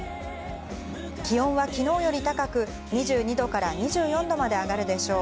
気温はきのうより高く２２度２４度まで上がるでしょう。